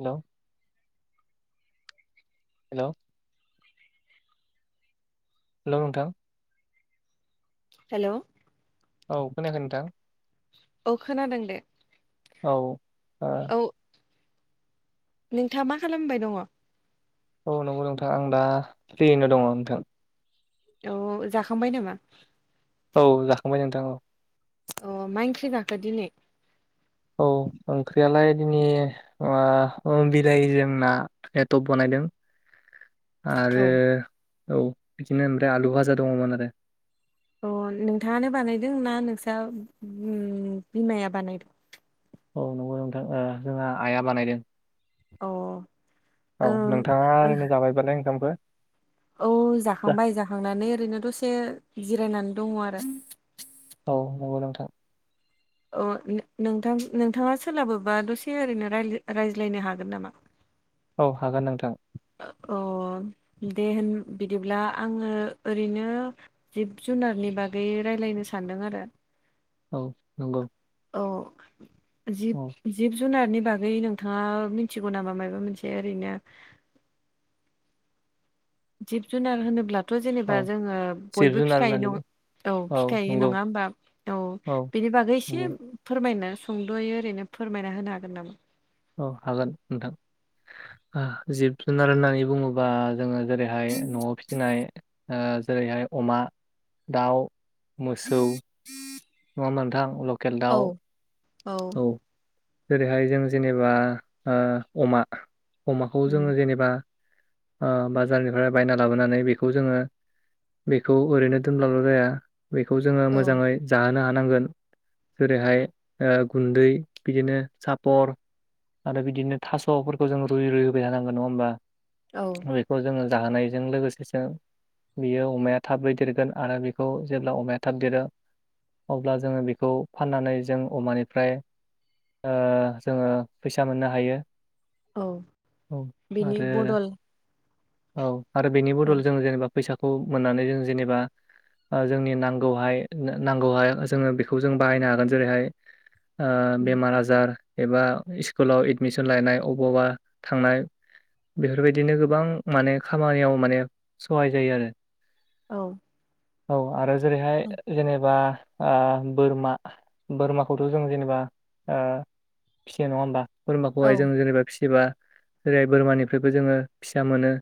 हेल hello hello नोंथां hello औ खोनायाखै नोंथां औ खोनादों दे औ औ नोंथाङा मा खालामबाय दङ औ नंगौ नोंथां आं दा फ्रियैनो दङ नोंथां औ जाखांबाय नामा औ जाखांबाय नोंथां औ अ माइ ओंख्रि जाखो दिनै औ ओंख्रियालाय दिनै म बिलाइ जोमना एटप बनायदोंं [inaudible] आरो औ औ बिदिनो ओमफ्राय आलु भाजा दङमोन आरो अ नोंथाङानो बानायदों ना नोंस्रा बिमाया बानायदों औ नंगौ नोंथां जोंहा आइआ बानायदों अ औ ओम नोंथाङा ओरैनो जाबायबालाय ओंखामफोर औ जाखांबाय जाखांनानै ओरैनो दसे जिरायनानै दङ आरो औ नंगौ नोंथां अ नोंथां नोंथाङा सोलाबोबा दसे ओरैनो रायज्लायनो हागोन नामा औ हागोन नोंथां अ दे होन बिदिब्ला आङो ओरैनो जिब जुनारनि बागै रायज्लायनो सानदों आरो औ नंगौ औ जि औ जिब जुनारनि बागै नोंथाङा मिथिगौ नामा माबा मोनसे ओरैनो जिब जुनार होनोब्लाथ' जेनेबा औ जोंङो जिब बयबो जुनार फिखायो होननानै नङ औ फिखाय नङा होमबा औ बेनि बागै एसे नंगौ फोरमायनो सोंद'यो ओरैनो फोरमायना होनो हागोन नामा औ हागोन नोंथां जिब जुनार होननानै बुङोब्ला बा जोङो जेरैहाय न'आव फिसिनाय जेरैहाय अमा दाउ मोसौ उम नङा मोनोंथां लकेल दाउ औ जेरैहाय जों जेनेबा अमा अमाखौ उम जोङो जेनेबा बाजारनिफ्राय बायना लाबोनानै बेखौ जोङो बेखौ ओरैनो दोनब्लाबल' जाया बेखौ जोङो औ मोजाङै जाहोनो हानांगोन जेरैहाय गुन्दै बिदिनो सापर आरो बिदिनो थास'फोरखौ जोंो रुइै रुै होबाय थानांग नङा होमबा औ बेखौ जोङो जाहोनायजों लोगोसेसो बियो अमाया थाबै देरगोन आरो बेखौ जेब्ला अमाया थाब देरो अब्ला जोङो बेखौ फाननानै जों अमानिफ्राय जोङो फैसा मोननो हायो औ औ बिनि आरो बदल औ आरो बेनि औ बदल जों जेनेबा फैसाखौ मोननानै जों जेनेबा जोंनि नांगौहाय नांगौहाय जोङो बेखौ जों बाहायनो हागोन जेरैहाय उम बेमार आजार एबा स्कुलाव एडमिसन लायनाय अबावबा थांनाय बेफोरबायदिनो गोबां माने खामानियाव माने सहाय जायो आरो औ औ आरो जेरैहाय जेनेबा बोरमा बोरमाखौथ' जों जेनेबा फिसिनाय नङा होमबा औ बोरमाखौहाय जों जेनेबा फिसिबा जेरैहाय बोरमानिफ्रायबो जोङो फिसा मोनो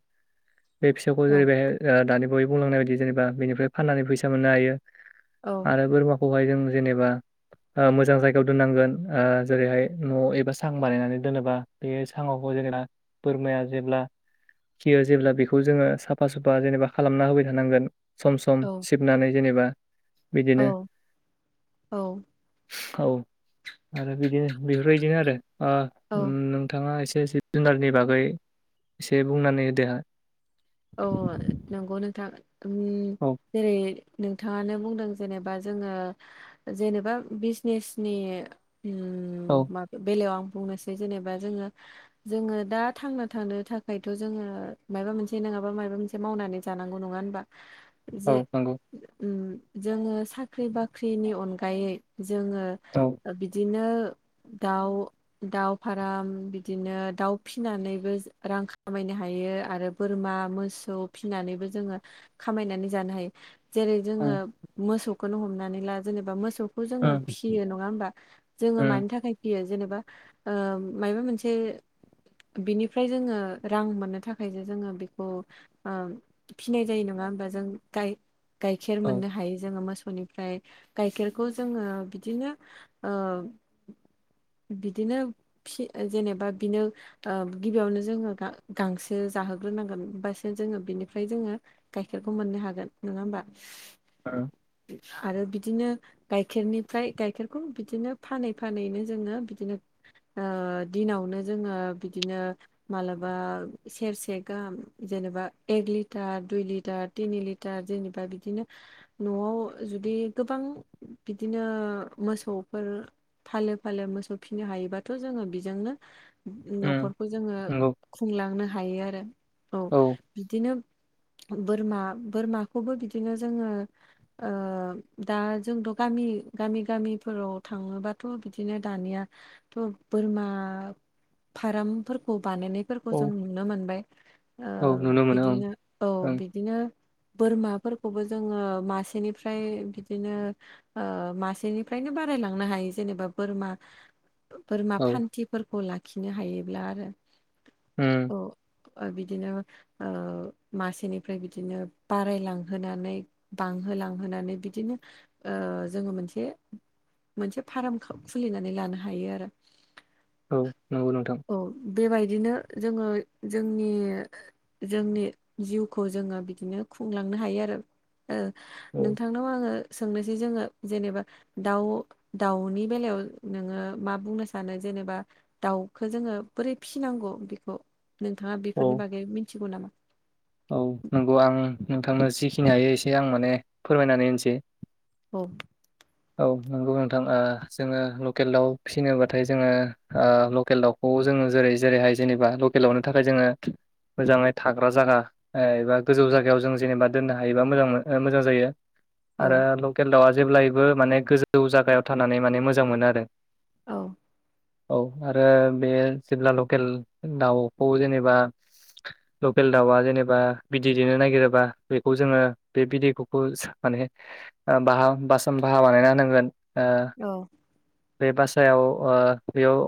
बे फिसौखौ औ जेरै बेहाय दानि बयै बुंलांनाय बायदि जेनेबा बेनिफ्राय फाननानै फैसा मोननो हायो औ आरो बोरमाखौहाय जों जेनेबा मोजां जायगायाव दोननांगोन जेरैहाय न' एबा सां बानायनानै दोनोबा बे सङावखौ जोंना बोरमाया जेब्ला खियो जेब्ला बेखौ जोङो साफा सुफा जेनेबा खालामना होबाय थानांगोन सम सम सिबनानै जेनेबा बिदिनो औ औ औ आरो बिदिनो बेफोरबायदिनो आरो औ नोंाङा एसे एसे जुनारनि बागै एसे बुंनानै होदो हहा औ नंगौ नोंथां औ जेरै नोंथाङानो बुंदों जेनेबा जोङो जेनेबा बिजनेसनि औ माब बेलायाव आं बुंनो सै जेबा जो ज दाां थ थाखाय जो मा मोन जे नङाबा माबा मोनसे मावनानै जानांगौ नङा होनबा जे औ नंगौ जोङो साख्रि बाख्रिनि अनगायै जोङो औ बिदिनो दाउ दाउ फार्म बिदिनो दाउ फिसिनानैबो रां खामायनो हायो आरो बोरमा मोसौ फिसिनानैबो जोङो खामायनानै जानो हायो जेरै जोङो उम मोसौखौनो हमनानै ला जेनेबा मोसौखौ जोङो उम फिसियो नङा होमबा जोङो उम मानि थाखाय फयो जेनेबा माबा मोनसे बिनिफ्राय जोङो रां मोननो थाखाय जों जोङो बेखौ फिनाय जायो नङा होमबा जों गाय गाइखेर औ मोननो हायो जोङो मोसौनि ओमफ्राय गाइखेरखौ जोङो बिदिनो बिदिनो जेनेबा बिनो गिबियावनो जोङो गांसो जाहोग्रोनांगोन हबासो जोङो बिनिफ्राय जोङो गाइखेरखौ मोननो हागोन नङा होमबा औ आरो बिदिनो गाइखेरनिफ्राय गाइखेरखौ बिदिनो फानै फानैनो जोंङो बिदिनो ओ दिनावनो जोंङो बिदिनो मालाबा सेरसेे से गाहाम जेनेबा एक लिटार दुइ लिटार तिनि लिटार जेनेबा बिदिनो न'आव जुदि गोबां बिदिनो मोसौफोर फालो फालो मोसौ फिनो हायोबाथ' जोंङो बेजोंनो उम न'खरखौ जोंङो नंगौ खुंलांनो हायो आरो औ बिदिनो बोरमा बोरमाखौबो बिदिनो जोंङो ओ दा जोंथ' गामि गामि गामिफोराव थाङोबाथ' बिदिनो दानिया थ' बोरमा फार्मफोरखौ बानायनायफोरखौ जों औ नुनो मोनबाय ओ औ नुनो मोनो बिदिनो औ ओं बि दिनो बोरमाफोरखौबो जोंङो मासेनिफ्राय बिदिनो ओ मासेनिफ्रायनो बारायलांनो हायो जेनेबा बोरमा बोरमा ओं फान्थिफोरखौ लाखिनो हायोब्ला आरो उम औ बिदिनो ओ मासेनिफ्राय बिदिनो बारायलांहोनानै बांहोलांहोनानै बिदिनो ओ जोंङो मोनसे मोनसे फार्म खुलिनानै लानो हायो आरो औ नंगौ नोंथां औ बेबायदिनो जोंङो जोंनि जोंनि जिउखौ जोंङो बिदिनो खुंलांनो हायो आरो औ ओनोंथांनाव आंङो सोंनोसै जोंङो जेनेबा दाउ दाउनि बेलायाव नोंङो मा बुंनो सानो जेनेबा दाउखो जोंङो बोरै फिसिनांगौ बेखौ नोंथांङा बेफोरनि औ बागै मिथिगौ नामा? औ नंगौ आं नोंथांनो जिखिनि हायो एसे आं माने फोरमायनानै होनोसै औ औ नंगौ नोंथां ओ जोंङो लकेल दाउ फिसिनोबाथाय जोंङो ओ लकेल दाउखौ जोंङो जेरै जेरैहाय जेनेबा लकेलावनो थाखाय जोंङो मोजांङै थाग्रा जागा एबा गोजौ जायगायाव जों जेनेबा दोननो हायोबा मोजां मोन मोजां जायो। औ आरो लकेल दाउआ जेब्लायबो माने गोजौ जायगायाव थानानै माने मोजां मोनो आरो औ औ आरो बे जेब्ला लकेल दाउखौ जेनेबा लकेल दाउआ जेनेबा बिदै दैनो नागिरोबा बेखौ जोंङो बे बिदैखौ माने बाहा बासन बाहा बानायना होनांगोन ओ औ बे बासायाव ओ बेयाव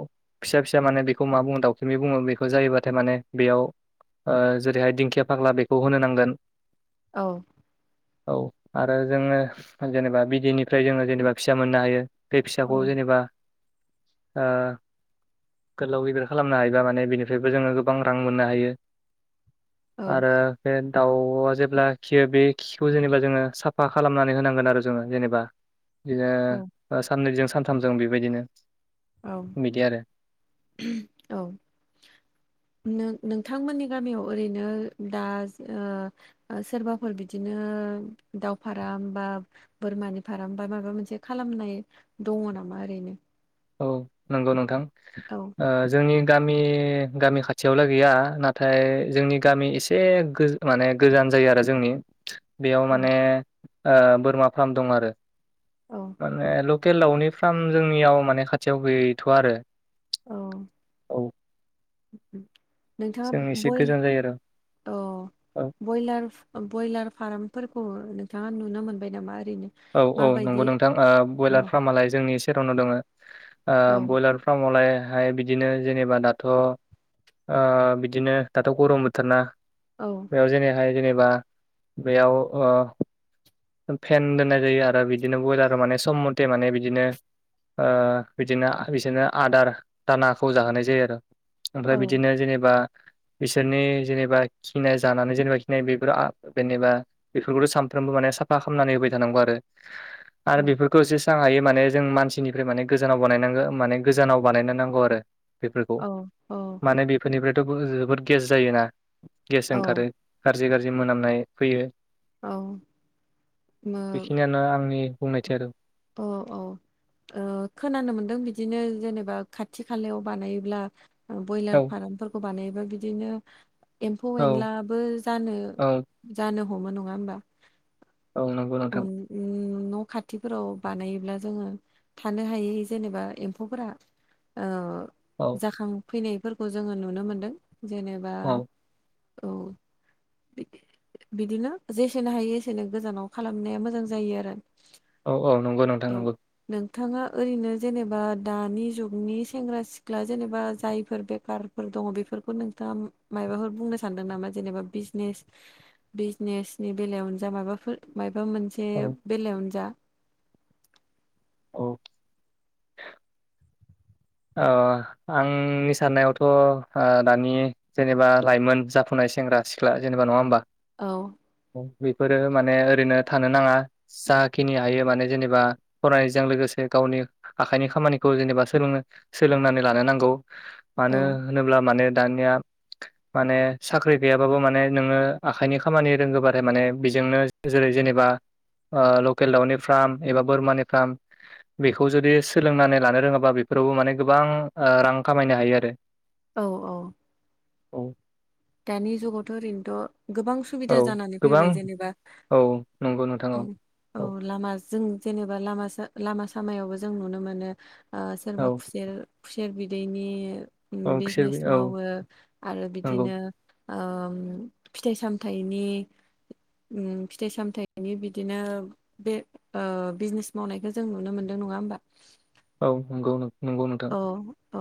फिसा फिसा माने बेखौ मा बुङो दाउखुमै बुंङो बेखौ जायोबाथाय माने बेयाव ओ जेरैहाय दिंखिया फाग्ला बेखौ होनो नांगोन औ औ आरो जोंङो जेनेबा बिदैनिफ्राय जोंङो जेनेबा फिसा मोननो हायो। बे फिसाखौ औ जेनेबा गोलाव गिदिर खालामनो हायोबा माने बेनिफ्रायबो जोंङो गोबां रां मोननो हायो औ आरो बे दाउआ जेब्ला खियो बे खिखौ जेनेबा जोंङो साफा खालामनानै होनांगोन आरो जोंङो जेनेबा बिदिनो साननैजों सानथामजों बेबायदिनो औ बिदि आरो औ नो-नोंथांमोननि गामियाव ओरैनो दा ओ सोरबाफोर बिदिनो दाव फाराम बा बोरमानि फाराम बा माबा मोनसे खालामनाय दङ' नामा ओरैनो औ नंगौ नोंथां औ जोंनि गामि गामि खाथियावलाय गैया नाथाय जोंनि गामि एसे माने गोजान जायो आरो जोंनि बेयाव माने औ बोरमा फार्म दं आरो औ माने लकेदावनि फ्राम जोंनियाव माने खाथियाव गैथ' आरो औ औ नोंथाङा जों एसे बयल गोजान जायो आरो अ बयलार ब्रयलार फार्मफोरखौ नोंथाङा नुनो मोनबाय नामा ओरैनो औ औ माबायदि नंगौ नोंथां औ बयलार फार्मआलाय जोंनि सेरावनाव दङो औ ब्रयलार फार्मावलायहाय बिदिनो जेनेबा दाथ' बिदिनो दाथ' गरम बोथोर ना औ बेयाव जेनैहाय जेनेबा बेयाव फेन दोननाय जायो आरो बिदिनो ब्रयलार माने सम मथे माने बिदिनो ओ बिदिनो आ बिसोरनो आदार दानाखौ जाहोनाय जायो आरो। ओमफ्राय औ बिदिनो जेनेबा बिसोरनि जेनेबा खिनाय जानानै जेनेबा खिनाय बेफोर जेनेबा बेफोरखौथ' सानफ्रोमबो माने साफा खालामनानै होबाय थानांगौ आरो औ आरो बेफोरखौ एसे हायो माने जों मानसिनिफ्राय माने गोजानाव बानायनांगौ माने गोजानाव बानायनो नांगौ आरो बेफोरखौ औ औ माने बेफोरनिफ्रायथ' जोबोद गेस जायोना गेस औ ओंखारो गाज्रि गाज्रि मोनामनाय फैयो औ बेखिनियानो आंनि बुंनायथि आरो औ औ खोनानो मोनदों बिदिनो जेनेबा खाथि खालायाव बानायोब्ला ब्रयलार औ फ्रमफोरखौ बानायोबा बिदिनो एम्फौ औ एनलाबो जानो औ जानो हमो नङा होमबा औ नंगौ नोंथां उ न' खाथि फोराव बानायोब्ला जोङो थानो हायै जेनेबा एम्फौफोरा औ जाखांफैनायफोरखौ जोङो नुनो मोनदों जेनेबा औ औ बिदिनो जेसेनो हायो एसेनो गोजानाव खालामनाया मोजां जायो आरो औ औ नंगौंगौ द नोंथाङा ओरैनो जेनेबा दानि जुगनि सेंग्रा सिख्ला जेनेबा जायफोर बेखार दङ बेफोरखौ नोंथाङा माबाफोर बुंनो सानदों नामा जेनेबा बिजनेस बिजनेसनि बेलायावनो जा माबाफोर माबा मोनसे औ बेलायावनो जा औ। अ आंनि साननायावथ' ओ दानि जेनेबा लाइमोन जाफुनाय सेंग्रा सिख्ला जेनेबा नङा होमबा? औ। बेफोरो माने ओरैनो थानो नाङा। जाखिनि हायो माने जेनेबा फरायनायजों लोगोसे गावनि आखाइनि खामानिखौ जेनेबा सोलोङो। सोलोंनानै लानो नांगौ औ मानो होनोब्ला माने दानिया माने साख्रि गैयाबाबो माने नोङो आखाइनि खामानि रोंगोबाथाय माने बेजोंनो जेरै जेनेबा ओ लकेल दाउनि फार्म एबा बोरमानि फार्म बेखौ जुदि सोलोंनानै लानो रोङाबा बेफोरावबो माने गोबां ओ रां खामायनो हायो आरो। औ औ औ दानि जुगावथ' ओरैनोथ' गोबां सु औ बिदा जानानै गोबां फैबाय जेनेबा औ नंगौ नोंथां अम औ लामा जों जेनेबा लामा लामा सामायावबो जों नुनो मोनो। ओ औ सोरबा खुसेर खुसेर बिदैनि औ खुसेर बि बिजनेस औ मावो आरो नंगौ बिदिनो ओ फिथाइ सामथायाइनि अम फिथाइ सामथायाइनि बिदिनो बे ओ बिजनेस मावनायखौ जों नुनो मोनदों नङा होमबा औ नंगौ नंगौ नोंथां औ औ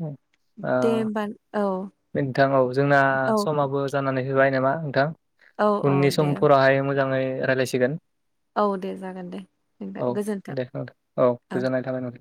औ ओ दे होमबा औ नोंथां औ जोंना औ समाबो जानानै होबाय नामा नोंथां औ औ उननि दे समफोरावहाय मोजाङै रायज्लायसिगोन। औ दे जागोन दे नोंथां औ गोजोन्थों दे नोंथां औ गोजनाय थाबाय नों